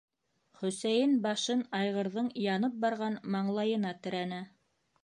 - Хөсәйен башын айғырҙың янып барған маңлайына терәне.